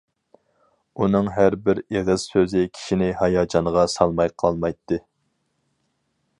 ئۇنىڭ ھەر بىر ئېغىز سۆزى كىشىنى ھاياجانغا سالماي قالمايتتى.